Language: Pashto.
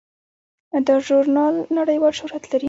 دا ژورنال نړیوال شهرت لري.